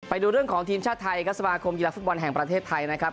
ไปดูเรื่องของทีมชาติไทยครับสมาคมกีฬาฟุตบอลแห่งประเทศไทยนะครับ